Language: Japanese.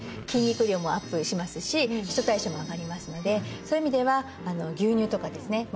筋肉量もアップしますし基礎代謝も上がりますのでそういう意味では牛乳とかですね